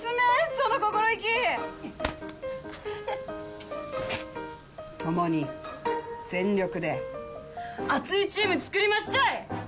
その心意気はははっ共に全力で熱いチーム作りまっしょい！